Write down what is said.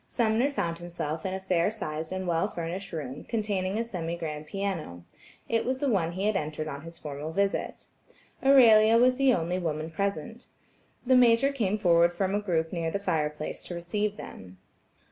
Sumner found himself in a fair sized and well furnished room, containing a semi grand piano; it was the one he had entered on his formal visit. Aurelia was the only woman present. The Major came forward from a group near the fire place to receive them.